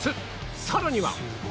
さらには